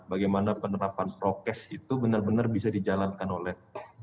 bagaimana penerapan prokes itu benar benar bisa dijalankan oleh